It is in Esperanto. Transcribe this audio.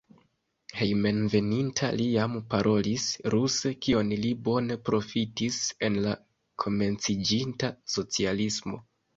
Hejmenveninta li jam parolis ruse, kion li bone profitis en la komenciĝinta socialismo.